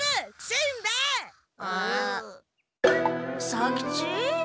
左吉？